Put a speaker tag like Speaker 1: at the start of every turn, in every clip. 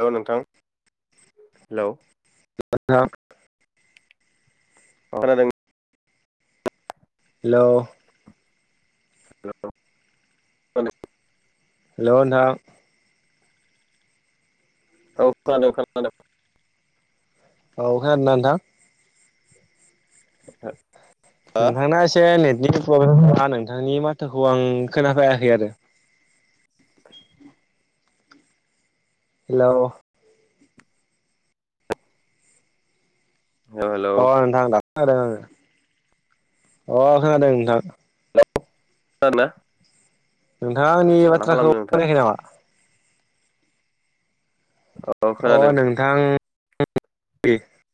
Speaker 1: Hello नोंथां hello.
Speaker 2: जाथा।
Speaker 1: खोनादों।
Speaker 2: हेलौ
Speaker 1: हेलौ
Speaker 2: हेलौ नोंथां
Speaker 1: औ खोनादों नोंथां खोनादों
Speaker 2: औ खोनादोंना नोंथां?
Speaker 1: ओहो
Speaker 2: नोंथांना एसे नेटनिक प्रब्लेमा नोंथांनि माथोखौ आं खोनाफायाखै आरो। हेलौ
Speaker 1: हेलौ
Speaker 2: अ नोंथां दा खोनादों आङो अ खोनादों नोंथां।
Speaker 1: खोनादोंना?
Speaker 2: नोंथाङा आंनि
Speaker 1: आदसा मा
Speaker 2: बाथ्राखौ
Speaker 1: खालामदों नोंथाङा
Speaker 2: बनायाखै नामा?
Speaker 1: औ
Speaker 2: अ
Speaker 1: खोनादों
Speaker 2: नोंथां [unintelligible]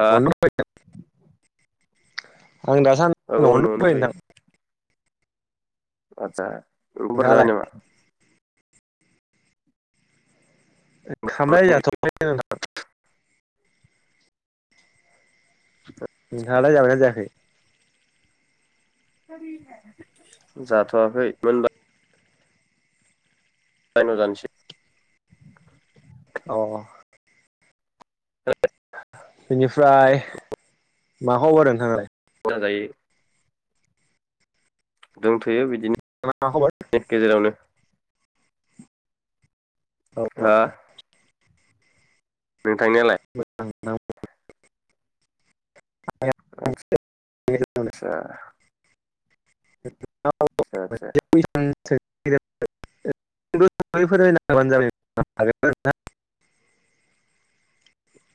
Speaker 1: हा
Speaker 2: आं
Speaker 1: औ
Speaker 2: दासानदि
Speaker 1: औ
Speaker 2: नआवनो दंथयो नोंथां।
Speaker 1: आतसा ओंखामफोर जाबाय
Speaker 2: नोंथाङालाय
Speaker 1: नामा?
Speaker 2: ओंखामलाय जाथआखै नों थां। नोंथाङालाय जाबायना जाखै?
Speaker 1: जाथवाखै मोनबा र जानिसै।
Speaker 2: अ बेनिफ्राय मा खबर नोंथाङालाय?
Speaker 1: [unintelligible] जायो दंथोयो बिदिनो
Speaker 2: मा खबर
Speaker 1: गेजेरावनो।
Speaker 2: औ औ
Speaker 1: हा? नोंथांनि
Speaker 2: मोजां [unintelligible]
Speaker 1: आतसा आदसा
Speaker 2: [unintelligible] [unintelligible] जाबाय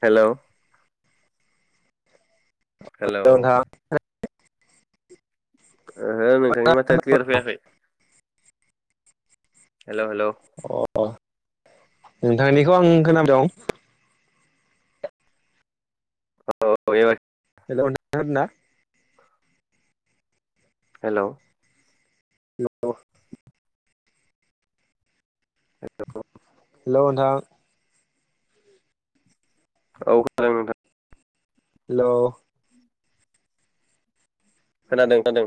Speaker 1: हेलौ हेलौ ओहो नोंथांनि माथोआ क्लियार फैयाखै। हेलौ हेलौ
Speaker 2: अ नोंथांनिखौ आं खोनाबाय दं।
Speaker 1: औ एब
Speaker 2: होलौ नोंथां खोनादोंना?
Speaker 1: हेलौ
Speaker 2: न
Speaker 1: हेलौ
Speaker 2: हेलौ नोंथां।
Speaker 1: औ खानादों नोंथां।
Speaker 2: हेल
Speaker 1: खोनादों खोनादों